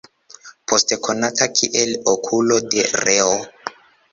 Poste konata kiel "Okulo de Reo".